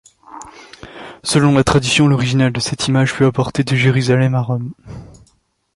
Selon la tradition, l'original de cette image fut apporté de Jérusalem à Rome.